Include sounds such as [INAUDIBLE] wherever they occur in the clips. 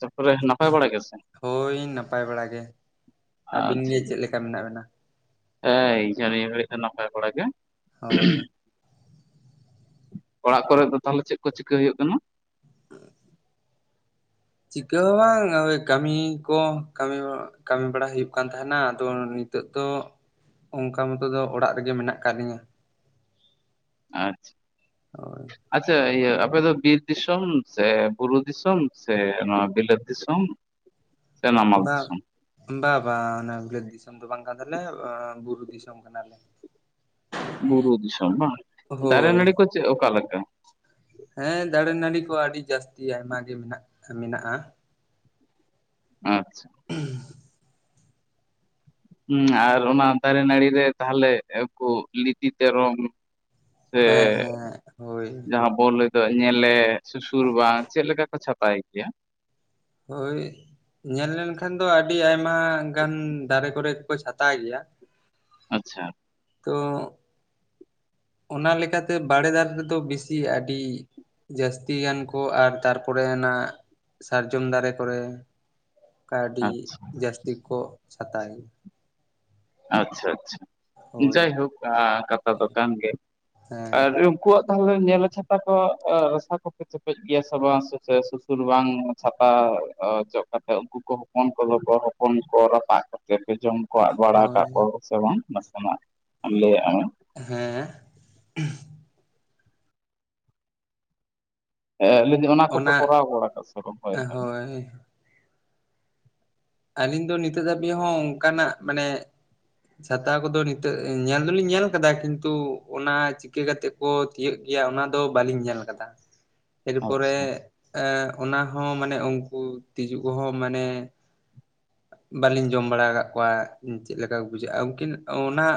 ᱛᱟᱯᱚᱨᱮ ᱱᱟᱯᱟᱭ ᱵᱟᱲᱟ ᱜᱮᱥᱮ ᱦᱳᱭ ᱱᱟᱯᱟᱭ ᱵᱟᱲᱟ ᱜᱮ᱾ ᱟᱹᱵᱤᱱ ᱟᱪᱪᱷᱟ ᱜᱮ ᱪᱮᱜ ᱞᱮᱠᱟ ᱢᱮᱱᱟᱜ ᱵᱤᱱᱟ? ᱦᱮᱸ ᱮᱠ ᱡᱷᱟᱹᱱᱤᱭᱟᱹ ᱜᱷᱟᱹᱲᱤᱡ ᱫᱚ ᱱᱟᱯᱟᱭ ᱵᱟᱲᱟ ᱜᱮ, ᱦᱳᱭ [UNINTELLIGIBLE] ᱚᱲᱟᱜ ᱠᱚᱨᱮ ᱫᱚ ᱛᱟᱦᱚᱞᱮ ᱪᱮᱫ ᱠᱚ ᱪᱤᱠᱟᱹ ᱦᱩᱭᱩᱜ ᱠᱟᱱᱟ? ᱪᱤᱠᱟᱹ ᱦᱚᱸ ᱵᱟᱝ ᱳᱭ ᱠᱟᱢᱤ ᱠᱚ ᱠᱟᱢᱤ ᱵᱟ ᱠᱟᱢᱤ ᱵᱟᱲᱟ ᱦᱩᱭᱩᱜ ᱠᱟᱱ ᱛᱟᱦᱮᱱᱟ, ᱟᱫᱚ ᱱᱤᱛᱚᱜ ᱫᱚ ᱚᱱᱠᱟ ᱢᱚᱛᱚ ᱫᱚ ᱚᱲᱟᱜ ᱨᱮᱜᱮ ᱢᱮᱱᱟᱜ ᱠᱟᱱ ᱞᱤᱧᱟ᱾ ᱟᱪᱪᱷᱟ, ᱦᱳᱭ ᱟᱪᱪᱷᱟ ᱤᱭᱟᱹ ᱟᱯᱮ ᱫᱚ ᱵᱤᱨ ᱫᱤᱥᱚᱢ ᱥᱮ ᱵᱩᱨᱩ ᱫᱤᱥᱚᱢ ᱥᱮ ᱱᱚᱣᱟ ᱵᱤᱞᱟᱹᱛ ᱫᱤᱥᱚᱢ? ᱥᱮ ᱱᱟᱢᱟᱞ ᱵᱟᱝ ᱫᱤᱥᱚᱢ ᱵᱟᱝ ᱵᱟᱝ ᱚᱱᱟ ᱵᱤᱞᱟᱹᱛ ᱫᱤᱥᱚᱢ ᱫᱚ ᱵᱟᱝ ᱠᱟᱱ ᱛᱟᱞᱮᱭᱟ, ᱵᱩᱨᱩ ᱫᱤᱥᱚᱢ ᱠᱟᱱᱟᱞᱮ᱾ ᱵᱩᱨᱩ ᱫᱤᱥᱚᱢ ᱵᱟᱝ, ᱫᱟᱨᱮ ᱦᱳᱭ ᱱᱟᱲᱤ ᱠᱚ ᱪᱮᱫ ᱚᱠᱟᱞᱮᱠᱟ? ᱦᱮᱸ, ᱫᱟᱲᱮ ᱱᱟᱹᱲᱤ ᱠᱚ ᱟᱹᱰᱤ ᱡᱟᱹᱥᱛᱤ ᱟᱭᱢᱟ ᱜᱮ ᱢᱮᱱᱟᱜ ᱢᱮᱱᱟᱜᱼᱟ᱾ ᱟᱪᱪᱷᱟ᱾ [UNINTELLIGIBLE] ᱦᱮᱸ, ᱟᱨ ᱚᱱᱟ ᱫᱟᱨᱮ ᱱᱟᱹᱲᱤ ᱨᱮ ᱛᱟᱦᱚᱞᱮ ᱩᱱᱠᱩ ᱞᱤᱛᱤ ᱛᱮᱨᱚᱢ᱾ ᱥᱮ ᱦᱮᱸ ᱦᱮᱸ ᱦᱳᱭ ᱡᱟᱦᱟᱸᱢ ᱵᱚᱞ ᱨᱮ ᱫᱚ ᱧᱮᱞᱮ ᱥᱩᱥᱩᱨ ᱵᱟᱱ ᱪᱮᱫ ᱞᱮᱠᱟ ᱠᱚ ᱪᱷᱟᱛᱟᱭ ᱜᱮᱭᱟ? ᱦᱳᱭ ᱧᱮᱞ ᱞᱮᱱᱠᱷᱟᱱ ᱫᱚ ᱟᱰᱤ ᱟᱭᱢᱟ ᱜᱟᱱ ᱫᱟᱨᱮ ᱠᱚᱨᱮ ᱠᱚ ᱪᱷᱟᱛᱟᱭ ᱜᱮᱭᱟ᱾ ᱟᱪᱪᱷᱟ᱾ ᱛᱚ ᱚᱱᱟ ᱞᱮᱠᱟᱛᱮ ᱵᱟᱲᱮ ᱫᱟᱨᱮ ᱨᱮᱫᱚ ᱵᱤᱥᱤ ᱟᱰᱤ ᱡᱟᱹᱥᱛᱤ ᱜᱟᱱ ᱠᱚ ᱟᱨ ᱛᱟᱨᱯᱚᱨᱮ ᱚᱱᱟ ᱥᱟᱨᱡᱚᱢ ᱫᱟᱨᱮ ᱠᱚᱨᱮ ᱠᱟᱹᱣᱰᱤ ᱟᱪᱪᱷᱟ ᱡᱟᱹᱥᱛᱤ ᱠᱚ ᱪᱷᱛᱟᱭᱟ᱾ ᱟᱪᱪᱷᱟ ᱟᱪᱪᱷᱟ, ᱦᱳᱭ ᱡᱟᱭᱦᱳᱠ ᱟ ᱠᱟᱛᱟ ᱫᱚ ᱠᱟᱱ ᱜᱮ ᱦᱮᱸ ᱟᱨ ᱠᱩᱣᱟᱜ ᱛᱟᱦᱚᱞᱮ ᱧᱮᱞᱮ ᱪᱷᱟᱛᱟ ᱠᱚ ᱨᱟᱥᱟ ᱠᱚᱯᱮ ᱪᱮᱯᱮᱡ ᱜᱮᱭᱟ ᱥᱮ ᱵᱟᱝ ᱥᱮ ᱥᱩᱥᱩᱨ ᱵᱟᱝ ᱪᱷᱟᱛᱟ ᱠᱚ ᱚᱪᱚᱜ ᱠᱟᱛᱮ ᱩᱱᱠᱩ ᱠᱚ ᱦᱚᱯᱚᱱ ᱠᱚᱫᱚ ᱠᱚ ᱦᱚᱯᱚᱱ ᱠᱚ ᱨᱟᱯᱟᱜ ᱠᱟᱛᱮ ᱯᱮ ᱡᱚᱢ ᱠᱚᱣᱟᱜ ᱵᱟᱲᱟ ᱦᱳᱭ ᱟᱠᱟᱫ ᱠᱚᱣᱟ ᱠᱚ ᱥᱮ ᱵᱟᱝ ᱱᱟᱥᱮᱱᱟᱜ ᱞᱟᱹᱭᱟᱜ ᱢᱮ᱾ ᱦᱮᱸ᱾ ᱦᱮᱸ ᱞᱟᱹᱭ ᱫᱤᱧ ᱚᱱᱟ ᱠᱚᱯᱮ ᱠᱚᱨᱟᱣ ᱵᱟᱲᱟ ᱟᱠᱟᱫ ᱥᱮ ᱵᱟᱝ [UNINTELLIGIBLE] ᱦᱮᱸ᱾ ᱟᱹᱞᱤᱧ ᱫᱚ ᱱᱤᱛᱚᱜ ᱫᱷᱟᱹᱵᱤᱡ ᱦᱚᱸ ᱚᱱᱠᱟᱱᱟᱜ ᱢᱟᱱᱮ ᱪᱷᱟᱛᱟ ᱠᱚᱫᱚ ᱱᱤᱛᱟᱹᱜ ᱧᱮᱞ ᱫᱩᱞᱤᱧ ᱧᱮᱞ ᱠᱟᱫᱟ ᱠᱤᱱᱛᱩ ᱚᱱᱟ ᱪᱤᱠᱟᱹ ᱠᱟᱛᱮᱜ ᱠᱚ ᱛᱤᱭᱟᱹᱜ ᱜᱮᱭᱟ ᱚᱱᱟ ᱫᱚ ᱵᱟᱹᱞᱤᱧ ᱧᱮᱞ ᱠᱟᱫᱟ᱾ ᱮᱨᱯᱚᱨᱮ ᱟᱪᱪᱷᱟ ᱚᱱᱟ ᱦᱚᱸ ᱢᱟᱱᱮ ᱩᱱᱠᱩ ᱛᱤᱡᱩ ᱠᱚᱦᱚᱸ ᱢᱟᱱᱮ ᱵᱟᱞᱤᱧ ᱡᱚᱢ ᱵᱟᱲᱟ ᱟᱠᱟᱜ ᱠᱚᱣᱟ ᱪᱮᱫᱞᱮᱠᱟ ᱠᱚ ᱵᱩᱡᱷᱟᱹᱜᱼᱟ, ᱩᱱᱠᱤᱱ ᱚᱱᱟ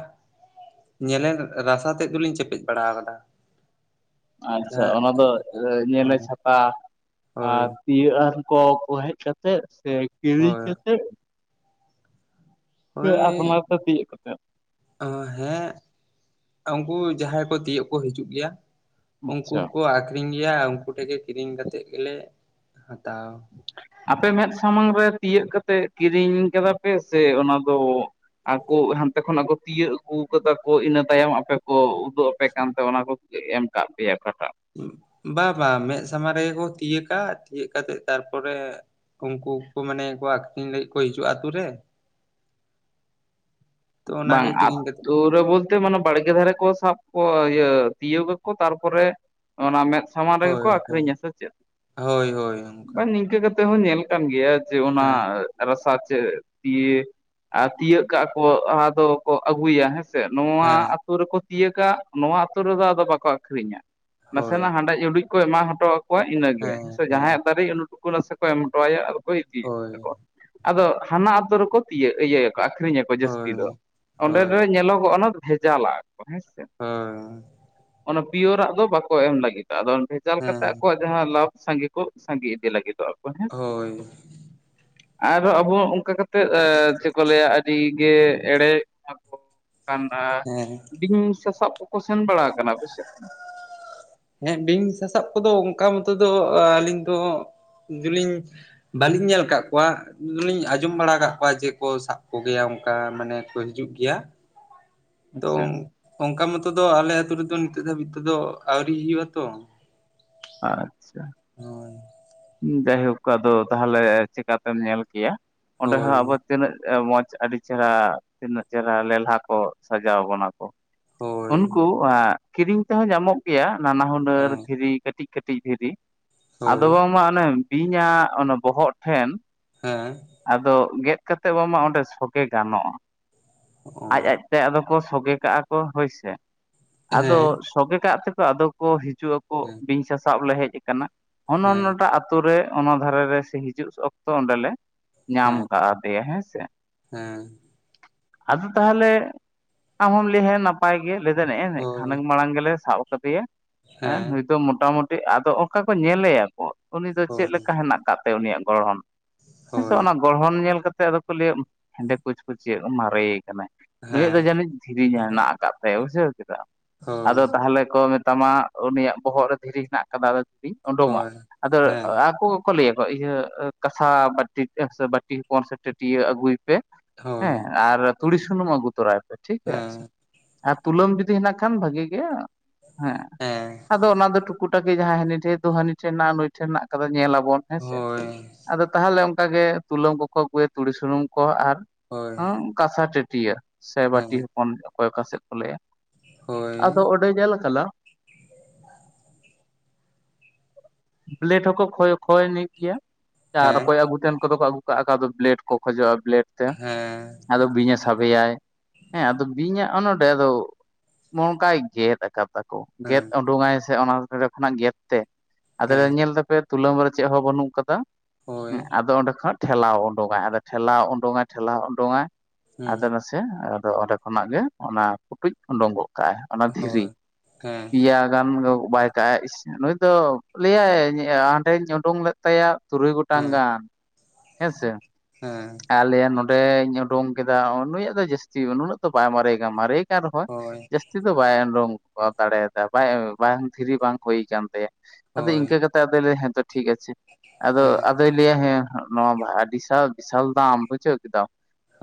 ᱧᱮᱞᱮ ᱨᱟᱥᱟ ᱛᱮᱫ ᱫᱩᱞᱤᱧ ᱪᱮᱯᱮᱫ ᱵᱟᱲᱟ ᱠᱟᱫᱟ᱾ ᱟᱪᱪᱷᱟ, ᱚᱱᱟ ᱫᱚ ᱧᱮᱞᱮ ᱦᱳᱭ ᱪᱷᱟᱛᱟ ᱦᱳᱭ ᱟᱨ ᱤᱭᱟ ᱟᱨ ᱠᱚ ᱠᱚ ᱦᱮᱡ ᱠᱟᱛᱮᱜ ᱥᱮ ᱠᱤᱨᱤᱧ ᱦᱳᱭ ᱠᱟᱛᱮᱜ- ᱥᱮ ᱟᱯᱱᱟᱨ ᱛᱮ ᱛᱤᱭᱳᱜ ᱠᱟᱛᱮᱜ? ᱚ ᱦᱮᱸ ᱩᱱᱠᱩ ᱡᱟᱦᱟᱸᱭ ᱠᱚ ᱛᱤᱭᱳᱜ ᱠᱚ ᱦᱤᱡᱩᱜ ᱜᱤᱭᱟ᱾ ᱩᱱᱠᱩ ᱟᱪᱪᱷᱟ ᱠᱚ ᱟᱠᱷᱨᱤᱧ ᱜᱤᱭᱟ ᱩᱱᱠᱩ ᱴᱷᱮᱱ ᱜᱮ ᱠᱤᱨᱤᱧ ᱠᱟᱛᱮᱫ ᱜᱮᱞᱮ ᱦᱟᱛᱟᱣᱟ᱾ ᱟᱯᱮ ᱢᱮᱫ ᱥᱟᱢᱟᱝ ᱨᱮ ᱛᱤᱭᱳᱜ ᱠᱟᱛᱮᱜ ᱠᱤᱨᱤᱧ ᱠᱟᱫᱟ ᱯᱮ ᱥᱮ ᱚᱱᱟ ᱫᱚ ᱟᱠᱚ ᱦᱟᱱᱛᱮ ᱠᱷᱚᱱ ᱟᱠᱚ ᱛᱤᱭᱟᱹᱜ ᱟᱹᱜᱩ ᱠᱟᱫᱟ ᱠᱚ ᱤᱱᱟᱹ ᱛᱟᱭᱚᱢ ᱟᱯᱮ ᱠᱚ ᱩᱫᱩᱜ ᱟᱯᱮ ᱠᱟᱱᱛᱮ ᱚᱱᱟ ᱠᱚ ᱮᱢ ᱟᱠᱟᱫ ᱯᱮᱭᱟ ᱚᱴᱟᱜ? ᱵᱟ ᱵᱟ ᱢᱮᱫ ᱥᱟᱢᱟᱝ ᱨᱮᱜᱮ ᱠᱚ ᱛᱤᱭᱟᱹᱜᱟ ᱛᱤᱭᱟᱹᱜ ᱠᱟᱛᱮᱜ ᱛᱟᱨᱯᱚᱨᱮ ᱩᱱᱠᱩ ᱠᱚ ᱢᱟᱱᱮ ᱠᱚ ᱟᱠᱷᱨᱤᱧ ᱞᱟᱹᱜᱤᱜ ᱠᱚ ᱦᱤᱡᱩᱜᱼᱟ ᱟᱹᱛᱩ ᱨᱮ᱾ ᱛᱚ ᱵᱟᱝ ᱚᱱᱟᱜᱮ [UNINTELLIGIBLE] ᱠᱤᱨᱤᱧ ᱠᱟᱛᱮ ᱯᱩᱨᱟᱹ ᱵᱚᱞᱛᱮ ᱢᱟᱱᱮ ᱵᱟᱲᱜᱮ ᱫᱷᱟᱨᱮ ᱠᱚ ᱥᱟᱵ ᱠᱚ ᱤᱭᱟᱹ ᱛᱤᱭᱳᱜᱟᱠᱚ ᱛᱟᱨᱯᱚᱨᱮ ᱚᱱᱟ ᱢᱮᱫ ᱥᱟᱢᱟᱝ ᱨᱮᱜᱮ ᱦᱳᱭ ᱠᱚ ᱦᱳᱭ ᱟᱹᱠᱷᱨᱤᱧᱟ ᱥᱮ ᱪᱮᱫ, ᱦᱳᱭ ᱦᱳᱭ ᱚᱱᱠᱟ ᱵᱟᱝ ᱱᱤᱝᱠᱟᱹ ᱠᱟᱛᱼᱼ ᱱᱚᱛᱮᱦᱚᱸ ᱧᱮᱞ ᱠᱟᱱ ᱜᱮᱭᱟ ᱡᱮ ᱚᱱᱟ ᱦᱮᱸ ᱨᱟᱥᱟ ᱪᱮᱫ ᱛᱤᱭᱮ ᱟᱻ ᱛᱤᱭᱮᱜ ᱠᱟᱱᱼᱼ ᱠᱚ ᱟᱫᱚ ᱠᱚ ᱟᱹᱜᱩᱭᱟ ᱦᱮᱸ ᱥᱮ, ᱱᱚᱣᱟᱼᱼ ᱦᱮᱸ ᱱᱚᱣᱟ ᱟᱹᱛᱩ ᱨᱮᱠᱚ ᱛᱤᱭᱮᱜ ᱠᱟᱜ ᱱᱚᱣᱟ ᱟᱛᱳ ᱨᱮᱫᱚ ᱟᱫᱚ ᱵᱟᱠᱚ ᱟᱹᱠᱷᱨᱤᱧᱟ, ᱦᱳᱭ ᱱᱟᱥᱮᱱᱟᱜ ᱦᱟᱸᱰᱮ ᱡᱩᱫᱤ ᱠᱚ ᱮᱢᱟ ᱦᱚᱴᱚᱣᱟᱼᱼ ᱠᱚ ᱤᱱᱟᱹᱜᱮ, ᱦᱮᱸ ᱥᱮ ᱦᱮᱸ ᱡᱟᱦᱟᱸᱭᱟᱜ ᱫᱟᱨᱮ ᱩᱱᱠᱩ ᱴᱩᱠᱩ ᱱᱟᱥᱮ ᱠᱚ ᱮᱢ ᱦᱚᱴᱚ ᱟᱭᱟ ᱟᱫᱚ ᱠᱚ ᱤᱫᱤᱭᱮᱫ ᱦᱳᱭ ᱛᱟᱠᱚᱣᱟ ᱾ ᱟᱫᱚ ᱦᱟᱱᱟ ᱚᱛᱳ ᱨᱮᱠᱚ ᱛᱤᱭᱟᱹ ᱤᱭᱟᱹᱭᱟ ᱟᱹᱠᱷᱨᱤᱧ ᱟᱠᱚᱼᱼ ᱦᱳᱭ ᱡᱟᱹᱥᱛᱤ ᱫᱚ, ᱚᱸᱰᱮ ᱦᱳᱭ ᱫᱚ ᱧᱮᱞᱚᱜᱚᱜᱼᱟ ᱵᱷᱮᱡᱟᱞᱟᱭ ᱦᱮᱸᱥᱮ ᱦᱳᱭ ᱾ ᱚᱱᱟ ᱯᱤᱭᱳᱨᱟᱜ ᱫᱚ ᱵᱟᱠᱚ ᱮᱢ ᱞᱟᱹᱜᱤᱫᱚᱜ, ᱟᱫᱚ ᱵᱷᱮᱡᱟᱞ ᱠᱟᱛᱮ ᱦᱮᱸ ᱟᱠᱚᱼᱼ ᱡᱟᱦᱟᱸ ᱞᱟᱵᱷ ᱥᱟᱸᱜᱮ ᱠᱚ ᱥᱟᱸᱜᱮ ᱤᱫᱤ ᱞᱟᱹᱜᱤᱫᱚᱜ ᱟᱠᱚ ᱦᱮᱸᱥᱮ ᱦᱳᱭ ᱾ ᱟᱨᱚ ᱟᱵᱚ ᱚᱱᱠᱟ ᱠᱟ ᱠᱟᱛᱮ ᱮ ᱪᱮᱫ ᱠᱚ ᱞᱟᱹᱭᱟ ᱟᱹᱰᱤᱼᱼ ᱜᱮ ᱮᱲᱮ [UNINTELLIGIBLE] ᱠᱚ ᱠᱟᱱᱟ ᱦᱮᱸ [UNINTELLIGIBLE] ᱥᱟᱥᱟᱵ ᱠᱚ ᱥᱮᱱ ᱵᱟᱲᱟ ᱟᱠᱟᱱᱟ ᱟᱯᱮ ᱥᱮᱫ? ᱦᱮᱸ ᱵᱤᱧ ᱥᱟᱥᱟᱵ ᱠᱚᱫᱚ ᱚᱱᱠᱟ ᱢᱚᱛᱚ ᱫᱚ ᱟᱹᱞᱤᱧ ᱫᱚ, ᱡᱮᱞᱤᱧᱼᱼ ᱵᱟᱹᱞᱤᱧ ᱧᱮᱞ ᱟᱠᱟᱫ ᱠᱚᱣᱟ ᱾ ᱞᱤᱧ ᱟᱸᱡᱚᱢ ᱵᱟᱲᱟ ᱟᱠᱟᱫ ᱠᱚᱣᱟ ᱡᱮ ᱠᱚ ᱥᱟᱵ ᱠᱚᱜᱮᱭᱟ ᱚᱱᱠᱟ ᱢᱟᱱᱮ ᱠᱚ ᱦᱤᱡᱩᱜ ᱜᱮᱭᱟ ᱾ ᱛᱚ ᱦᱮᱸᱥᱮ ᱚᱱᱠᱟ ᱢᱚᱛᱚ ᱫᱚ ᱟᱞᱮ ᱟᱛᱳ ᱨᱮᱫᱚ ᱱᱤᱛᱚᱜ ᱫᱷᱟᱹᱵᱤᱡ ᱛᱮᱫᱚ ᱟᱹᱣᱨᱤ ᱦᱩᱭᱩᱜᱼᱟ ᱛᱚ ᱾ ᱟᱪᱪᱷᱟ ᱦᱳᱭ ᱡᱟᱭᱦᱳᱠ ᱟᱫᱚ ᱛᱟᱦᱚᱞᱮ ᱪᱮᱠᱟᱛᱮᱢ ᱧᱮᱞ ᱠᱮᱭᱟ, ᱚᱸᱰᱮ ᱦᱚᱸ ᱦᱳᱭ ᱟᱵᱚᱼᱼ ᱛᱤᱱᱟᱹᱜ ᱮ ᱢᱚᱸᱡᱽ ᱟᱹᱰᱤ ᱪᱮᱦᱨᱟ ᱛᱤᱱᱟᱹᱜ ᱪᱮᱦᱨᱟ ᱞᱮᱞᱦᱟ ᱠᱚ ᱥᱟᱡᱟᱣ ᱠᱟᱱᱟ ᱠᱚ ᱾ ᱦᱳᱭ ᱩᱱᱠᱩ ᱟᱹ ᱠᱤᱨᱤᱧ ᱛᱮᱦᱚᱸ ᱧᱟᱢᱚᱜ ᱜᱮᱭᱟ ᱱᱟᱱᱟ ᱦᱩᱱᱟᱹᱨ ᱦᱮᱸ ᱫᱷᱤᱨᱤ ᱠᱟᱹᱴᱤᱡᱼᱼ ᱠᱟᱹᱴᱤᱡ ᱫᱷᱤᱨᱤ, ᱦᱳᱭ ᱟᱫᱚ ᱵᱟᱝᱢᱟ ᱚᱱᱮ ᱵᱤᱧᱟᱜ ᱚᱱᱮ ᱵᱚᱦᱚᱜ ᱴᱷᱮᱱᱼᱼ ᱦᱮᱸ ᱟᱫᱚ ᱜᱮᱫ ᱠᱟᱛᱮ ᱵᱟᱝᱢᱟ ᱚᱸᱰᱮ ᱥᱚᱜᱮ ᱜᱟᱱᱚᱜ-ᱟ ᱚ ᱾ ᱟᱡ ᱟᱡᱛᱮ ᱟᱫᱚ ᱠᱚ ᱥᱚᱜᱮ ᱠᱟᱜ-ᱟ ᱠᱚ ᱦᱳᱭᱥᱮ ᱾ ᱦᱮᱸ ᱟᱫᱚ ᱥᱚᱜᱮ ᱠᱟᱜ ᱛᱮᱠᱚ ᱟᱫᱚ ᱠᱚ ᱦᱤᱡᱩᱜ ᱟᱠᱚ, ᱦᱮᱸ ᱵᱤᱧ ᱥᱟᱥᱟᱵ ᱞᱮ ᱦᱮᱡ ᱟᱠᱟᱱᱟ ᱾ ᱚᱱ ᱦᱮᱸ ᱚᱱᱟᱴᱟᱜ ᱟᱛᱩ ᱨᱮ ᱚᱱᱟ ᱫᱷᱟᱨᱮ ᱨᱮ ᱥᱮ ᱦᱤᱡᱩᱜ ᱚᱠᱛᱚ ᱚᱸᱰᱮᱞᱮᱼᱼ ᱧᱟᱢ ᱦᱮᱸ ᱟᱠᱟᱫᱮᱭᱟ ᱦᱮᱸᱥᱮ ᱾ ᱦᱮᱸ ᱟᱫᱚ ᱛᱟᱦᱚᱞᱮ, ᱟᱢ ᱦᱚᱸᱢ ᱞᱟᱹᱭᱟ ᱦᱮᱸ ᱱᱟᱼᱼ ᱯᱟᱭ ᱜᱮ ᱞᱟᱹᱭ ᱫᱟᱲᱮ ᱟᱭ ᱱᱮᱜ-ᱮ ᱦᱳᱭ ᱠᱷᱟᱱᱮᱠ ᱢᱟᱲᱟᱝ ᱜᱮᱞᱮ ᱥᱟᱵ ᱟᱠᱟᱫᱮᱭᱟ ᱮᱼᱼ ᱦᱮᱸ ᱢᱚᱴᱟᱢᱩᱴᱤ ᱟᱫᱚ ᱚᱱᱠᱟ ᱠᱚ ᱧᱮᱞᱮᱭᱟ ᱠᱚ, ᱩᱱᱤ ᱫᱚ ᱪᱮᱫ ᱞᱮᱠᱟ ᱦᱳᱭ ᱦᱮᱱᱟᱜ ᱟᱠᱟᱫ ᱛᱟᱭᱟ ᱩᱱᱤᱭᱟᱜ ᱜᱚᱲᱦᱚᱱ ᱾ ᱦᱮᱸᱥᱮ ᱦᱳᱭ ᱚᱱᱟ ᱜᱚᱲᱦᱚᱱ ᱧᱮᱞ ᱠᱟᱛᱮ ᱟᱫᱚ ᱠᱚ ᱞᱟᱹᱭᱟ ᱩ ᱦᱮᱸᱫᱮ ᱠᱩᱪ ᱠᱩᱪᱤᱭᱟᱹ ᱢᱟᱨᱮᱭ ᱟᱠᱟᱱᱟᱭ ᱾ ᱱᱩᱭᱟᱜ ᱫᱚ ᱦᱮᱸ ᱡᱟᱹᱱᱤᱡ ᱫᱷᱤᱨᱤ ᱦᱮᱱᱟᱜ ᱟᱠᱟᱫ ᱛᱟᱭᱟ ᱵᱩᱡᱷᱟᱹᱣ ᱠᱮᱫ ᱟᱢ, ᱦᱳᱭ ᱟᱫᱚ ᱛᱟᱦᱚᱞᱮ ᱠᱚ ᱢᱮᱛᱟᱢᱟᱼᱼ ᱩᱱᱤᱭᱟᱜ ᱵᱚᱦᱚᱜ ᱨᱮ ᱫᱷᱤᱨᱤ ᱦᱮᱱᱟᱜ ᱟᱠᱟᱫᱟ, ᱟᱫᱚ ᱫᱷᱤᱨᱤ ᱚᱰᱚᱝᱟ, ᱦᱳᱭ ᱟᱫᱚ ᱦᱮᱸ ᱟᱠᱚᱼᱼ ᱜᱮ ᱠᱚ ᱞᱟᱹᱭᱟ ᱠᱚ ᱤᱭᱟᱹ ᱠᱟᱥᱟ ᱵᱟᱹᱴᱤ, ᱵᱟᱴᱤ ᱦᱚᱯᱚᱱ ᱥᱮ ᱴᱟᱹᱴᱤᱭᱟᱹ ᱟᱹᱜᱩᱭ ᱯᱮᱼᱼ ᱦᱮᱸ, ᱦᱳᱭ ᱟᱨ ᱛᱩᱲᱤ ᱥᱩᱱᱩᱢ ᱟᱜᱩ ᱛᱚᱨᱟᱭ ᱯᱮ ᱴᱷᱤᱠ ᱦᱮᱸ [UNINTELLIGIBLE] ᱟᱨ ᱛᱩᱞᱟᱹᱢ ᱡᱩᱫᱤ ᱦᱮᱱᱟᱜ ᱠᱷᱟᱱ ᱵᱷᱟᱹᱜᱤ ᱜᱮᱭᱟ, ᱦᱮᱸᱼᱼ ᱦᱮᱸ ᱫᱚ ᱚᱱᱟ ᱫᱚ ᱴᱩᱠᱩ ᱴᱟᱠᱤ ᱡᱟᱦᱟᱸᱭ ᱦᱟᱹᱱᱤ ᱴᱷᱮᱡ ᱫᱚ ᱦᱟᱹᱱᱤ ᱴᱷᱮᱱ ᱦᱮᱱᱟᱜ-ᱟ ᱱᱩᱭ ᱴᱷᱮᱱ ᱦᱮᱱᱟᱜ ᱟᱠᱟᱫᱟ ᱧᱮᱞᱟᱵᱚᱱ ᱦᱮᱸ ᱥᱮ ᱦᱳᱭ ᱾ ᱟᱫᱚ ᱛᱟᱦᱚᱞᱮ ᱚᱱᱠᱟᱜᱮ ᱛᱩᱞᱟᱹᱢ ᱠᱚᱠᱚ ᱟᱹᱜᱩᱭᱟ, ᱛᱩᱲᱤ ᱥᱩᱱᱩᱢ ᱠᱚ ᱟᱨ ᱦᱳᱭ ᱦᱚᱸᱼᱼ ᱠᱟᱸᱥᱟ ᱴᱟᱹᱴᱤᱭᱟᱹ, ᱥᱮ ᱵᱟᱹᱴᱤ ᱦᱮᱸ ᱦᱚᱯᱚᱱ ᱚᱠᱚᱭ ᱚᱠᱟᱥᱮᱫ ᱠᱚ ᱞᱟᱹᱭᱟ ᱾ ᱟᱫᱚ ᱦᱳᱭ ᱚᱸᱰᱮ ᱧᱮᱞ ᱟᱠᱟᱱᱟᱼᱼ [INAUDIBLE] ᱵᱞᱮᱰ ᱦᱚᱸᱠᱚ ᱠᱷᱚᱭ ᱠᱷᱚᱭᱟᱱᱤᱡ ᱜᱮᱭᱟ, ᱟᱨ ᱦᱮᱸ ᱚᱠᱚᱭ ᱟᱹᱜᱩ ᱛᱮᱱ ᱠᱚ ᱫᱚ ᱠᱚ ᱟᱹᱜᱩᱼᱼ ᱠᱟᱜ-ᱟ ᱠᱚ ᱟᱫᱚ ᱵᱞᱮᱰ ᱠᱚ ᱠᱷᱚᱡᱚᱜ-ᱟ ᱵᱞᱮᱰ ᱾ ᱦᱮᱸ ᱟᱫᱚ ᱵᱤᱧᱮ ᱥᱟᱵᱮᱭᱟᱭ, ᱦᱮᱸ ᱟᱫᱚ ᱵᱤᱧᱟᱜ ᱦᱚᱸ ᱱᱚᱰᱮ ᱟᱫᱚᱼᱼ ᱱᱚᱝᱠᱟᱭ ᱜᱮᱫ ᱟᱠᱟᱫ ᱛᱟᱠᱚ, ᱜᱮᱫ ᱦᱮᱸ ᱚᱰᱩᱝ ᱟᱭ ᱥᱮ ᱚᱱᱟ ᱛᱚᱞᱦᱮ ᱠᱷᱚᱱᱟᱜ ᱜᱮᱫ ᱛᱮᱼᱼ ᱟᱫᱚ ᱞᱮ ᱦᱮᱸ ᱧᱮᱞ ᱫᱟᱯᱮ ᱛᱩᱞᱟᱹᱢ ᱨᱮ ᱪᱮᱜ ᱦᱚᱸ ᱵᱟᱹᱱᱩᱜ ᱠᱟᱫᱟ ᱦᱮᱸ ᱦᱳᱭ ᱟᱫᱚ ᱚᱸᱰᱮ ᱠᱷᱚᱡ ᱴᱷᱮᱞᱟᱣ ᱳᱰᱳᱝ ᱟᱭ ᱟᱫᱚ ᱴᱷᱮᱞᱟᱣ ᱳᱰᱳᱝᱟᱭ ᱴᱷᱮᱞᱟᱣ ᱳᱰᱳᱝᱟᱭ ᱟᱫᱚ ᱦᱩᱸ ᱱᱟ ᱛᱮ ᱟᱫᱚ ᱚᱸᱰᱮ ᱠᱷᱚᱱᱟᱜ ᱜᱮ ᱚᱱᱟ ᱠᱩᱴᱩᱡ ᱳᱰᱳᱝ ᱜᱚᱜ ᱠᱟᱜ-ᱟᱭ᱾ ᱚᱱᱟ ᱫᱷᱤᱨᱤ ᱦᱳᱭ ᱦᱮᱸ ᱯᱮᱭᱟ ᱜᱟᱱ ᱜᱚ ᱵᱟᱭ ᱠᱟᱜ-ᱟᱭ ᱤᱥ ᱱᱩᱭ ᱫᱚ ᱞᱟᱹᱭᱟᱭ ᱦᱟᱸᱰᱮᱧ ᱳᱰᱳᱝ ᱞᱮᱫ ᱛᱟᱭᱟ ᱛᱩᱨᱩᱭ ᱜᱚᱴᱟᱝ ᱦᱮᱸ ᱜᱟᱱ ᱦᱮᱸᱥᱮ᱾ ᱦᱮᱸ ᱟᱨ ᱞᱟᱹᱭᱟᱭ ᱱᱚᱸᱰᱮᱧ ᱳᱰᱳᱝ ᱠᱮᱫᱟ ᱱᱩᱭᱟᱜ ᱫᱚ ᱡᱟᱹᱥᱛᱤ ᱱᱩᱱᱟᱹᱜ ᱫᱚ ᱵᱟᱭ ᱢᱟᱨᱮ ᱠᱟᱱᱟ ᱢᱟᱨᱮ ᱠᱟ ᱨᱮᱦᱚᱸᱭ ᱦᱳᱭ ᱡᱟᱹᱥᱛᱤ ᱫᱚ ᱵᱟᱭ ᱳᱰᱳᱝ ᱠᱚ ᱫᱟᱲᱮᱭᱟᱫᱟ ᱵᱟᱭ ᱵᱟᱝ ᱫᱷᱤᱨᱤ ᱵᱟᱝ ᱦᱩᱭ ᱠᱟᱱ ᱛᱟᱭᱟ ᱟᱫᱚ ᱦᱳᱭ ᱤᱱᱠᱟᱹ ᱠᱟ ᱛᱮ ᱟᱫᱚᱭ ᱞᱟᱹᱭᱟ ᱦᱮᱸᱛᱚ ᱴᱷᱤᱠ ᱟᱪᱷᱮ ᱟᱫᱚ ᱦᱮᱸ ᱟᱫᱚᱭ ᱞᱟᱹᱭᱟ ᱦᱮᱸ ᱱᱚᱣᱟ ᱵᱟ ᱟᱹᱰᱤ ᱥᱟᱫ ᱵᱤᱥᱟᱞ ᱫᱟᱢ ᱵᱩᱪᱷᱟᱹᱣ ᱠᱮᱫᱟᱢ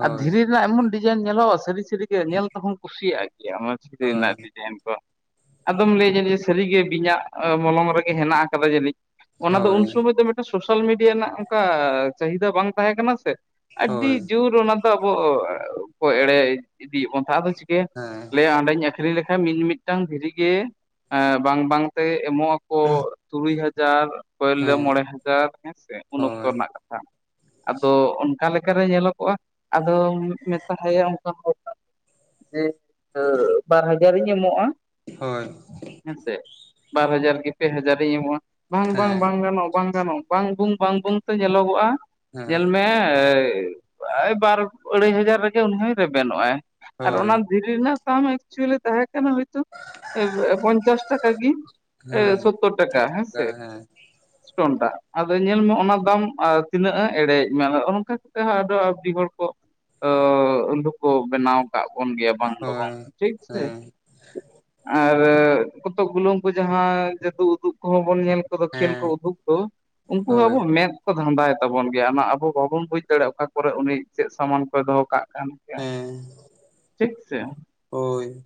ᱟᱨ ᱫᱷᱤᱨᱤ ᱨᱮᱱᱟᱜ ᱮᱢᱚᱱ ᱰᱤᱡᱟᱭᱤᱱ ᱧᱮᱞᱚᱜ-ᱟ ᱥᱟᱹᱨᱤ ᱥᱟᱹᱨᱤ ᱜᱮ ᱧᱮᱞ ᱛᱮᱦᱚᱸᱚᱢ ᱠᱩᱥᱤᱭᱟᱜ ᱜᱮᱭᱟ ᱚᱱᱟ ᱫᱷᱤᱨᱤ ᱨᱮᱱᱟᱜ ᱦᱳᱭ ᱰᱤᱡᱟᱭᱤᱱ ᱠᱚ᱾ ᱟᱫᱚᱢ ᱞᱟᱹᱭᱟ ᱡᱟᱹᱱᱤ ᱡᱮ ᱥᱟᱹᱨᱤᱜᱮ ᱵᱤᱧᱟᱜ ᱢᱚᱞᱚᱝ ᱨᱮᱜᱮ ᱦᱮᱱᱟᱜ ᱟᱠᱟᱫᱟ ᱡᱟᱹᱱᱤᱡ᱾ ᱚᱱᱟ ᱫᱚ ᱩᱱ ᱦᱳᱭ ᱥᱚᱢᱚᱭ ᱫᱚ ᱢᱤᱫᱴᱟᱱ ᱥᱳᱥᱟᱞ ᱢᱤᱰᱤᱭᱟ ᱨᱮᱱᱟᱜ ᱚᱱᱠᱟ ᱪᱟᱦᱤᱫᱟ ᱵᱟᱝ ᱛᱟᱦᱮᱸ ᱠᱟᱱᱟ ᱥᱮ ᱟᱹᱰᱤ ᱦᱳᱭ ᱡᱳᱨ ᱚᱱᱟ ᱫᱚ ᱟᱵᱚ ᱠᱚ ᱮᱲᱮ ᱤᱫᱤᱭᱮᱫ ᱵᱚᱱ ᱛᱟᱦᱮᱸᱫ ᱟᱫᱚ ᱪᱤᱠᱟᱹ ᱦᱮᱸ ᱞᱟᱹᱭᱟ ᱚᱸᱰᱮᱧ ᱟᱹᱠᱷᱨᱤᱧ ᱞᱮᱠᱷᱟᱱ ᱢᱤᱜ ᱢᱤᱫᱴᱟᱝ ᱫᱷᱤᱨᱤ ᱜᱮ ᱵᱟᱝ ᱵᱟᱝᱛᱮ ᱮᱢᱚᱜ-ᱟ ᱠᱚ ᱛᱩᱨᱩᱭ ᱦᱟᱡᱟᱨ ᱯᱟᱹᱭᱞᱟᱹ ᱦᱮᱸ ᱢᱚᱬᱮ ᱦᱟᱡᱟᱨ ᱦᱮᱸᱥᱮ ᱩᱱ ᱚᱠᱛᱚ ᱦᱳᱭ ᱨᱮᱱᱟᱜ ᱠᱟᱛᱷᱟ᱾ ᱟᱫᱚ ᱚᱱᱠᱟ ᱞᱮᱠᱟ ᱨᱮ ᱧᱮᱞᱚᱜᱚᱜ-ᱟ, ᱟᱫᱚᱢ ᱢᱮᱛᱟ ᱦᱟᱭᱟ ᱚᱱᱠᱟ ᱡᱮ ᱵᱟᱨ ᱦᱟᱡᱟᱨᱤᱧ ᱮᱢᱚᱜ-ᱟ᱾ ᱦᱚᱭ ᱦᱮᱸᱥᱮ ᱵᱟᱨ ᱦᱟᱡᱟᱨ ᱠᱤ ᱯᱮ ᱦᱟᱡᱟᱨᱤᱧ ᱮᱢᱚᱜ-ᱟ ᱵᱟᱝ ᱵᱟᱝ ᱦᱮᱸ ᱵᱟᱝ ᱜᱟᱱᱚᱜ-ᱟ ᱵᱟᱝ ᱜᱟᱱᱚᱜ-ᱟ, ᱵᱟᱝ ᱵᱩᱝ ᱵᱟᱝ ᱵᱩᱝ ᱛᱮ ᱧᱮᱞᱚᱜᱚᱜ-ᱟ ᱦᱮᱸ ᱧᱮᱞ ᱢᱮ ᱵᱟᱨ ᱟᱹᱲᱟᱹᱭ ᱦᱟᱡᱟᱨ ᱨᱮᱜᱮ ᱩᱱᱤ ᱦᱚᱸᱭ ᱨᱮᱵᱮᱱᱚᱜ ᱟᱭ ᱟᱨ ᱚᱱᱟ ᱦᱳᱭ ᱫᱷᱤᱨᱤ ᱨᱮᱱᱟᱜ ᱫᱟᱢ ᱮᱠᱪᱩᱭᱮᱞᱤ ᱛᱟᱦᱮᱸ ᱠᱟᱱᱟ ᱦᱳᱭ ᱛᱚ ᱯᱚᱧᱪᱟᱥ ᱴᱟᱠᱟ ᱠᱤ ᱦᱮᱸ ᱥᱳᱛᱛᱳᱨ ᱴᱟᱠᱟ ᱦᱮᱸᱥᱮ᱾ ᱦᱮᱸ ᱥᱴᱳᱱ ᱴᱟᱜ ᱟᱫᱚ ᱧᱮᱞ ᱢᱮ ᱚᱱᱟ ᱫᱟᱢ ᱮ ᱛᱤᱱᱟᱹᱜ ᱮᱲᱮᱭᱤᱡ ᱢᱮᱭᱟ ᱚᱱᱠᱟ ᱛᱮᱦᱚ ᱟᱫᱚ ᱟᱹᱰᱤ ᱦᱚᱲ ᱠᱚ ᱩᱞᱞᱩ ᱠᱚ ᱵᱮᱱᱟᱣ ᱠᱟᱜ ᱵᱚᱱ ᱜᱮᱭᱟ ᱵᱟᱝ ᱫᱚ ᱵᱟᱝ ᱦᱳᱭ ᱴᱷᱤᱠ ᱥᱮ᱾ ᱦᱮᱸ ᱟᱨ ᱠᱚᱛᱚᱠ ᱜᱩᱞᱳ ᱩᱝᱠᱩ ᱡᱟᱦᱟᱸᱭ ᱡᱟᱹᱫᱩ ᱩᱫᱩᱜ ᱠᱚᱦᱚᱸ ᱵᱚᱱ ᱧᱮᱞ ᱠᱚᱫᱚ ᱠᱷᱮᱞ ᱠᱚ ᱦᱮᱸ ᱩᱫᱩᱜ ᱫᱚ ᱩᱱᱠᱩ ᱦᱚᱸ ᱟᱵᱚ ᱦᱳᱭ ᱢᱮᱫ ᱠᱚ ᱫᱷᱷᱟᱸᱫᱟᱭ ᱛᱟᱵᱚᱱ ᱜᱮᱭᱟ ᱚᱱᱟ ᱟᱵᱚ ᱵᱟᱵᱚᱱ ᱵᱩᱡᱽ ᱫᱟᱲᱮᱜ-ᱟ ᱚᱠᱟ ᱠᱚᱨᱮ ᱩᱱᱤ ᱪᱮᱜ ᱥᱟᱢᱟᱱ ᱠᱚᱭ ᱫᱚᱦᱚ ᱠᱟᱜ ᱠᱟᱱᱟ᱾ ᱜᱮᱭᱟ ᱴᱷᱤᱠ ᱥᱮ ᱳᱭ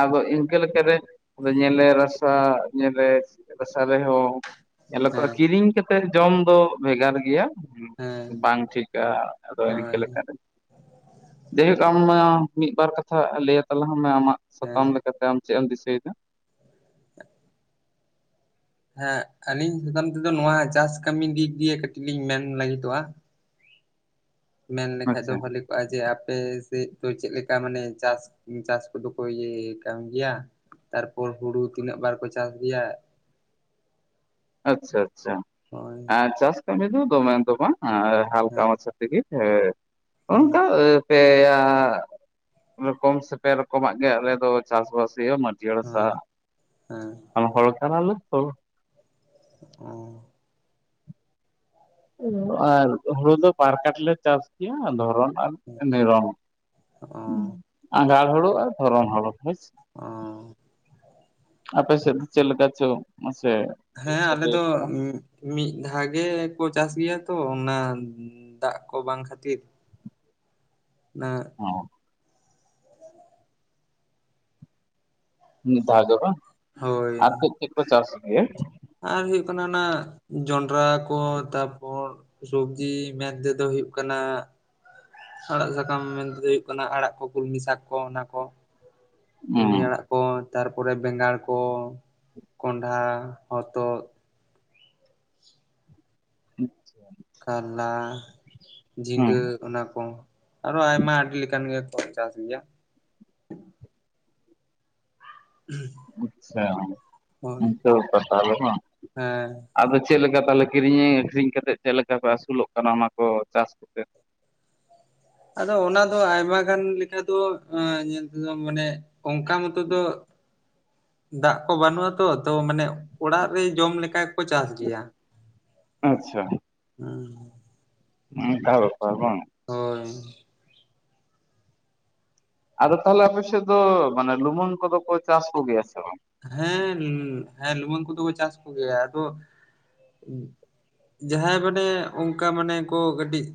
ᱟᱫᱚ ᱤᱝᱠᱟᱹ ᱞᱮᱠᱟ ᱨᱮ ᱟᱫᱚ ᱧᱮᱞᱮ ᱨᱟᱥᱟ ᱧᱮᱞᱮ ᱨᱟᱥᱟ ᱨᱮᱦᱚᱸ ᱧᱮᱞᱚᱜ ᱠᱟᱱᱟ ᱦᱮᱸ ᱠᱤᱨᱤᱧ ᱠᱟᱛᱮᱜ ᱡᱚᱢ ᱫᱚ ᱵᱷᱮᱜᱟᱨ ᱜᱮᱭᱟ, ᱦᱮᱸ ᱵᱟᱝ ᱴᱷᱤᱠᱟ ᱟᱫᱚ ᱤᱱᱠᱟᱹ ᱦᱳᱭ ᱞᱮᱠᱟ ᱨᱮ ᱡᱟᱭᱦᱳᱠ ᱟᱢ ᱢᱤᱜ ᱵᱟᱨ ᱠᱟᱛᱷᱟ ᱞᱟᱹᱭᱟ ᱛᱟᱞᱟᱝ ᱢᱮ ᱟᱢᱟᱜ ᱦᱮᱸ ᱥᱟᱛᱟᱢ ᱞᱮᱠᱟᱛᱮ ᱟᱢ ᱪᱮᱜ ᱮᱢ ᱫᱤᱥᱟᱹᱭ ᱫᱟ? [INAUDIBLE] ᱦᱮᱸ ᱟᱞᱤᱧ ᱥᱟᱛᱟᱢ ᱛᱮᱫᱚ ᱱᱚᱣᱟ ᱪᱟᱥ ᱠᱟᱹᱢᱤ ᱫᱤᱠ ᱫᱤᱭᱮ ᱠᱟᱹᱴᱤᱡ ᱞᱤᱧ ᱢᱮᱱ ᱞᱟᱹᱜᱤᱫᱚᱜ-ᱟ᱾ ᱢᱮᱱ ᱞᱮᱠᱷᱟᱡ ᱫᱚ ᱟᱪᱪᱷᱟ ᱵᱷᱟᱹᱞᱤ ᱠᱚᱜ ᱟ ᱡᱮ ᱟᱯᱮ ᱥᱮᱫ ᱫᱚ ᱪᱮᱫ ᱞᱮᱠᱟ ᱢᱟᱱᱮ ᱪᱟᱥ ᱪᱟᱥ ᱠᱚᱫᱚ ᱠᱚ ᱤᱭᱟᱹ ᱠᱟᱱ ᱜᱮᱭᱟ ᱛᱟᱨᱯᱚᱨ ᱦᱩᱲᱩ ᱛᱤᱱᱟᱹᱜ ᱵᱟᱨ ᱠᱚ ᱪᱟᱥ ᱜᱮᱭᱟ᱾ ᱟᱪᱪᱷᱟ ᱟᱪᱪᱷᱟ ᱦᱳᱭ ᱟᱨ ᱪᱟᱥ ᱠᱟᱹᱢᱤ ᱫᱚ ᱫᱚᱢᱮ ᱫᱚ ᱵᱟᱝ ᱦᱟᱞᱠᱟ ᱦᱮᱸ ᱢᱟᱪᱷᱟ᱾ ᱛᱮᱜᱮ ᱦᱚᱱ ᱦᱮᱸ ᱠᱟ᱾ ᱯᱮᱭᱟ ᱨᱚᱠᱚᱢ ᱥᱮ ᱯᱮ ᱨᱚᱠᱚᱢᱟᱜ ᱜᱮ ᱟᱞᱮ ᱫᱚ ᱪᱟᱥᱵᱟᱥ ᱦᱩᱭᱩᱜᱼᱟ ᱢᱟᱹᱱᱼᱼ ᱡᱤᱭᱟᱹᱲ ᱦᱟᱥᱟ ᱦᱮᱸ ᱦᱮᱸ ᱟᱨ ᱦᱚᱲ ᱠᱟᱱᱟ ᱞᱮ ᱛᱚ ᱚ ᱟᱨ ᱦᱩᱲᱩ ᱫᱚ ᱵᱟᱨ ᱠᱟᱴ ᱞᱮ ᱪᱟᱥ ᱜᱮᱭᱟ ᱫᱷᱚᱨᱚᱱ ᱟᱨᱼᱼ ᱱᱤᱨᱚᱱᱚ ᱚ ᱟᱸᱜᱷᱟᱲ ᱦᱲᱩᱩ ᱟᱨ ᱫᱷᱚᱨᱚᱱ ᱦᱩᱲᱩ ᱚ ᱟᱯᱮ ᱥᱮᱫ ᱪᱮᱫ ᱞᱮᱠᱟ ᱪᱚ ᱢᱟᱥᱮᱼᱼ ᱦᱮᱸ ᱟᱞᱮ ᱫᱚ ᱢᱤᱫ ᱫᱷᱟᱣ ᱜᱮᱠᱚ ᱪᱟᱥ ᱜᱮᱭᱟ ᱛᱚ ᱚᱱᱟ ᱫᱟᱜ ᱠᱚ ᱵᱟᱝ ᱠᱷᱟᱹᱛᱤᱨᱼᱼ ᱱᱟᱜ ᱦᱚᱸ ᱢᱤᱫᱫᱷᱟᱣ ᱫᱚ ᱵᱟᱝ ᱦᱳᱭ ᱟᱨ ᱪᱮᱫ ᱪᱮᱫ ᱠᱚ ᱪᱟᱥ ᱜᱮᱭᱟ᱾ ᱟᱨ ᱦᱩᱭᱩᱜ ᱠᱟᱱᱟ ᱚᱱᱟ ᱡᱚᱱᱰᱨᱟ ᱠᱚ ᱛᱟᱨᱯᱚᱨᱼᱼ ᱥᱚᱵᱡᱤ ᱢᱮᱱᱛᱮᱫᱚ ᱦᱩᱭᱩᱜ ᱠᱟᱱᱟ᱾ ᱟᱲᱟᱜ ᱥᱟᱠᱟᱢ ᱢᱮᱱᱛᱮᱫᱚ ᱦᱩᱭᱩᱜ ᱠᱟᱱᱟ ᱟᱲᱟᱜ ᱠᱚ ᱠᱩᱞᱢᱤ ᱥᱟᱠ ᱠᱚ ᱚᱱᱟ ᱠᱚ᱾ ᱦᱩᱸ ᱠᱩᱞᱢᱤ ᱟᱲᱟᱜ ᱠᱚ ᱛᱟᱨᱯᱚᱨᱮ ᱵᱮᱸᱜᱟᱲ ᱠᱚ ᱠᱳᱱᱰᱷᱟ ᱦᱚᱛᱚᱫᱼᱼ ᱟᱪᱪᱷᱟ ᱠᱟᱞᱞᱟ ᱡᱷᱤᱱᱜᱟ ᱚᱱᱟ ᱠᱚ᱾ ᱟᱨᱦᱚᱸ ᱟᱭᱢᱟ ᱟᱹᱰᱤ ᱞᱮᱠᱟᱱ ᱜᱮᱠᱚ ᱪᱟᱥ ᱜᱮᱭᱟ᱾ ᱟᱪᱪᱷᱟ ᱦᱳᱭ ᱦᱮᱸ [INAUDIBLE] ᱟᱫᱚ ᱪᱮᱫ ᱞᱮᱠᱟ ᱛᱟᱦᱚᱞᱮ ᱠᱤᱨᱤᱧ ᱟᱹᱠᱷᱨᱤᱧ ᱠᱟ ᱠᱟᱛᱮᱫ ᱪᱮᱫ ᱞᱮᱠᱟ ᱠᱚᱮ ᱟᱹᱥᱩᱞᱚᱜ ᱠᱟᱱᱟ ᱚᱱᱟ ᱠᱚ ᱪᱟᱥ ᱠᱟᱛᱮᱫᱼᱼ ᱟᱫᱚ ᱚᱱᱟ ᱫᱚ ᱟᱭᱢᱟ ᱜᱟᱱ ᱞᱮᱠᱟ ᱫᱚ ᱧᱮᱞ ᱛᱮᱫᱚ ᱢᱟᱱᱮ᱾ ᱚᱱᱠᱟ ᱢᱚᱛᱚ ᱫᱚ ᱫᱟᱜ ᱠᱚ ᱵᱟᱹᱱᱩᱜᱼᱟᱛᱚ ᱛᱚ ᱢᱟᱱᱮ ᱚᱲᱟᱜ ᱨᱮ ᱡᱚᱢ ᱞᱮᱠᱟ᱾ ᱠᱚ ᱪᱟᱥ ᱜᱮᱭᱟ᱾ ᱟᱪᱪᱷᱟ ᱦᱩᱸ ᱚᱱᱠᱟ ᱵᱮᱯᱟᱨ ᱵᱟᱝ ᱦᱳᱭ ᱟᱫᱚ ᱛᱟᱦᱚᱞᱮ ᱟᱯᱮ ᱥᱮᱫ ᱫᱚ ᱢᱟᱱᱮ ᱞᱩᱢᱩᱝ ᱠᱚᱫᱚ ᱠᱚ ᱪᱟᱥ ᱠᱚᱜᱮᱭᱟ ᱥᱮ ᱵᱟᱝ ᱦᱮᱸ ᱦᱮᱸ ᱞᱩᱢᱟᱹᱝ ᱠᱚᱫᱚ ᱠᱚ ᱪᱟᱥ ᱠᱚᱜᱮᱭᱟ ᱟᱫᱚ ᱡᱟᱦᱟᱸᱭ ᱢᱟᱱᱮ ᱚᱱᱠᱟ ᱢᱟᱱᱮ ᱠᱚ ᱠᱟᱹᱴᱤᱡ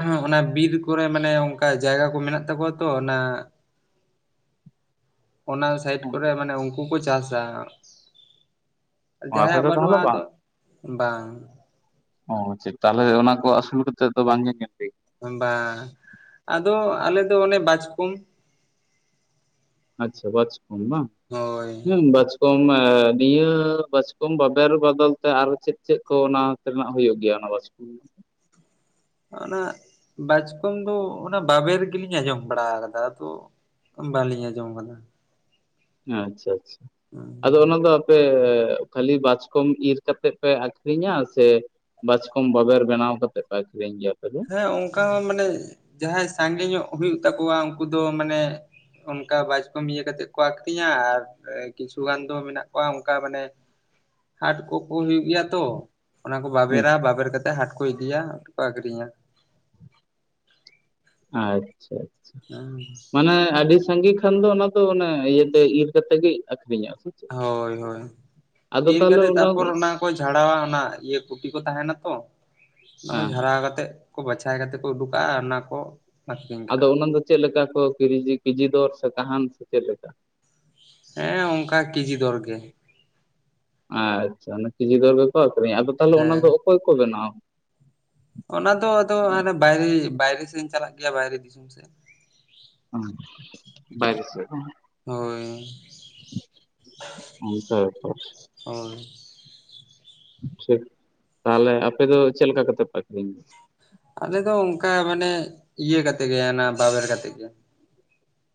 ᱦᱮᱸ ᱚᱱᱟ ᱵᱤᱨ ᱠᱚᱨᱮ ᱢᱟᱱᱮ ᱚᱱᱠᱟ ᱡᱟᱭᱜᱟ ᱠᱚ ᱢᱮᱱᱟᱜ ᱛᱟᱠᱚᱣᱟ ᱛᱚ ᱚᱱᱟ᱾ ᱚᱱᱟ ᱥᱟᱭᱤᱴ ᱠᱚᱨᱮ ᱢᱟᱱᱮ ᱩᱱᱠᱩ ᱠᱚ ᱪᱟᱥ-ᱟ᱾ ᱚ ᱟᱯᱮ ᱡᱟᱦᱟᱸᱭᱟᱜ ᱫᱚ ᱵᱟᱹᱱᱩᱜᱼᱟ ᱛᱟᱦᱚᱞᱮ ᱵᱟᱝ ᱟᱫᱚ ᱵᱟᱝ ᱚ ᱪᱮᱫ ᱛᱟᱦᱚᱞᱮ ᱚᱱᱟ ᱠᱚ ᱟᱹᱥᱩᱞ ᱠᱟᱛᱮᱫ ᱫᱚ ᱵᱟᱝ ᱧᱮ-ᱧᱮᱞ ᱵᱟᱝ ᱟᱫᱚ ᱟᱞᱮ ᱫᱚ ᱚᱱᱮ ᱵᱟᱪᱠᱚᱢᱼᱼ ᱟᱪᱪᱷᱟ ᱵᱟᱪᱠᱚᱢ ᱵᱟᱝ ᱦᱳᱭ ᱦᱮᱸ ᱵᱟᱪᱠᱚᱢ ᱠᱚᱢ ᱱᱤᱭᱟᱹ ᱵᱟᱪᱠᱚᱢ ᱵᱟᱵᱮᱨ ᱵᱚᱫᱚᱞ ᱛᱮ ᱟᱨᱚ ᱪᱮᱫ ᱪᱮᱫ ᱠᱚ ᱚᱱᱟ ᱛᱮᱱᱟᱜ ᱦᱩᱭᱩᱜ ᱜᱮᱭᱟ ᱚᱱᱟ ᱵᱟᱪᱠᱚᱢ ᱠᱚᱼᱼ ᱦᱩᱸ ᱚᱱᱟ ᱵᱟᱪᱠᱚᱢ ᱫᱚ ᱚᱱᱟ ᱵᱟᱵᱮᱨ ᱜᱮᱞᱤᱧ ᱟᱸᱡᱚᱢ ᱵᱟᱲᱟ ᱠᱟᱫᱟ ᱟᱫᱚ ᱵᱟᱟᱹᱞᱤᱧ ᱟᱸᱡᱚᱢ ᱟᱠᱟᱫᱟ᱾ ᱟᱪᱪᱷᱟ ᱟᱪᱪᱷᱟ ᱦᱩᱸ ᱟᱫᱚ ᱚᱱᱟ ᱫᱚ ᱟᱯᱮ ᱠᱷᱟᱹᱞᱤ ᱵᱟᱪᱠᱚᱢ ᱤᱨ ᱠᱟᱛᱮ ᱯᱮ ᱟᱹᱠᱷᱨᱤᱧᱟ ᱥᱮ ᱵᱟᱪᱠᱚᱢ ᱵᱟᱵᱮᱨ ᱵᱮᱱᱟᱣ ᱠᱟᱛᱮᱫ ᱯᱮ ᱟᱹᱠᱷᱨᱤᱧ ᱜᱮᱭᱟ ᱟᱯᱮ ᱫᱚ ᱾ ᱦᱮᱸ ᱚᱱᱠᱟ ᱦᱚᱸ ᱢᱟᱱᱮ ᱡᱟᱦᱟᱸᱭ ᱥᱟᱸᱜᱮ ᱧᱚᱜ ᱦᱩᱭᱩᱜ ᱛᱟᱠᱚᱣᱟ, ᱩᱱᱠᱩ ᱫᱚ ᱢᱟᱱᱮ ᱚᱱᱠᱟ ᱵᱟᱪᱠᱚᱢ ᱤᱭᱟᱹ ᱠᱟᱛᱮᱫ ᱠᱚ ᱟᱹᱠᱷᱨᱤᱧᱟ ᱟᱨ ᱠᱤᱪᱷᱩ ᱜᱟᱱ ᱫᱚ ᱢᱮᱱᱟᱜ ᱠᱚᱣᱟ, ᱚᱱᱠᱟ ᱢᱟᱱᱮ ᱦᱟᱸᱴ ᱠᱚᱠᱚ ᱦᱩᱭᱩᱜ ᱜᱮᱭᱟ ᱛᱚ ᱾ ᱚᱱᱟ ᱠᱚ ᱵᱟᱵᱮᱨᱟ ᱵᱟᱵᱮᱨ ᱠᱟᱛᱮᱫ ᱦᱟᱸᱴ ᱠᱚ ᱤᱫᱤᱭᱟ ᱟᱨ ᱠᱚ ᱟᱹᱠᱷᱨᱤᱧᱟ ᱾ ᱟᱪᱪᱷᱟ ᱾ ᱦᱩᱸ ᱾ ᱟᱹᱰᱤ ᱥᱟᱸᱜᱮ ᱠᱷᱟᱱ ᱫᱚ ᱚᱱᱟ ᱫᱚ ᱚᱱᱮ ᱤᱭᱟᱹ ᱛᱮ ᱤᱨ ᱠᱟᱛᱮ ᱜᱮ ᱟᱹᱠᱷᱨᱤᱧᱚᱼᱟ ᱥᱮ ᱪᱮᱫ? ᱦᱳᱭ, ᱦᱳᱭ ᱟᱫᱚ ᱤᱨ ᱛᱟᱦᱚᱞᱮ ᱠᱟᱛᱮᱫ ᱛᱟᱯᱚᱨ ᱚᱱᱟ ᱠᱚ ᱡᱷᱟᱲᱟᱣᱟ ᱚᱱᱟ ᱤᱭᱟᱹ ᱠᱩᱴᱤ ᱠᱚ ᱛᱟᱦᱮᱱᱟ ᱛᱚ, ᱚᱱᱟ ᱠᱚ ᱦᱮᱸ ᱡᱷᱟᱨᱟᱣ ᱠᱟᱛᱮ ᱵᱟᱪᱷᱟᱭ ᱠᱟᱛᱮ ᱠᱚ ᱩᱰᱩᱠᱟᱜᱼᱟ ᱟᱨ ᱚᱱᱟ ᱠᱚ ᱟᱠᱷᱨᱤᱧ ᱟᱫᱚ ᱠᱟᱜᱼᱟ ᱚᱱᱟ ᱫᱚ ᱪᱮᱫ ᱞᱮᱠᱟ ᱠᱚ ᱠᱤᱨᱤᱡᱤ ᱠᱤᱡᱤ ᱫᱚᱨ ᱥᱮ ᱠᱟᱦᱟᱱ ᱥᱮ ᱪᱮᱫ ᱞᱮᱠᱟ? ᱦᱮᱸ ᱚᱱᱠᱟ ᱠᱮᱡᱤ ᱫᱚᱨ ᱜᱮ ᱾ ᱟᱪᱪᱷᱟ ᱚᱱᱟ ᱠᱮᱡᱤ ᱫᱚᱨ ᱜᱮᱠᱚ ᱟᱹᱷᱨᱤᱧᱟ᱾ ᱟᱫᱚ ᱛᱟᱦᱚᱞᱮ ᱚᱱᱟ ᱦᱮᱸ ᱫᱚ ᱚᱠᱚᱭ ᱠᱚ ᱵᱮᱱᱟᱣᱟ ᱾ ᱚᱱᱟ ᱫᱚ ᱟᱫᱚ ᱦᱟᱱᱮ ᱵᱟᱭᱨᱮ, ᱵᱟᱭᱨᱮ ᱥᱮᱱ ᱪᱟᱞᱟᱜ ᱜᱮᱭᱟ ᱵᱟᱭᱨᱮ ᱫᱤᱥᱚᱢ ᱥᱮᱫ ᱾ ᱵᱟᱭᱨᱮ ᱥᱮᱫ ᱵᱟᱝ ᱾ ᱦᱳᱭ ᱾ ᱚᱱᱠᱟ ᱵᱮᱯᱟᱨ ᱾ ᱦᱳᱭ ᱴᱷᱤᱠ ᱛᱟᱦᱚᱞᱮ ᱟᱯᱮ ᱫᱚ ᱪᱮᱫ ᱞᱮᱠᱟ ᱠᱟᱛᱮ ᱯᱮ ᱟᱹᱠᱷᱨᱤᱧ ᱜᱮᱭᱟ? ᱟᱠᱮ ᱫᱚ ᱚᱱᱠᱟ ᱢᱟᱱᱮ ᱤᱭᱟᱹ ᱠᱟᱛᱮ ᱜᱮ ᱚᱱᱟ ᱵᱟᱵᱮᱨ ᱠᱟᱛᱮᱫ ᱜᱮ ᱾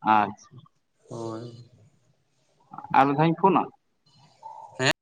ᱟᱪᱪᱷᱟ ᱾ ᱦᱳᱭ ᱾ ᱟᱨ ᱢᱤᱫ ᱫᱷᱟᱶ ᱤᱧ ᱯᱷᱳᱱᱟ? ᱦᱮᱸ ᱾